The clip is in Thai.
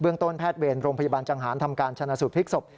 ต้นแพทย์เวรโรงพยาบาลจังหารทำการชนะสูตรพลิกศพ